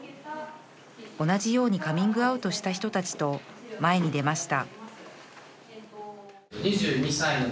同じようにカミングアウトした人たちと前に出ました